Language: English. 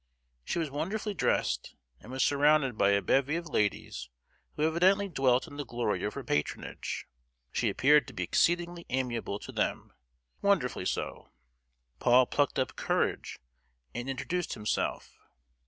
She was wonderfully dressed, and was surrounded by a bevy of ladies who evidently dwelt in the glory of her patronage: she appeared to be exceedingly amiable to them—wonderfully so! Paul plucked up courage and introduced himself.